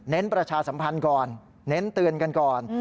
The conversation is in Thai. ประชาสัมพันธ์ก่อนเน้นเตือนกันก่อน